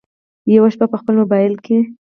یوه شپه په خپل مبایل کې